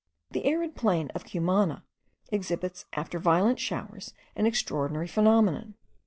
The arid plain of Cumana exhibits after violent showers an extraordinary phenomenon.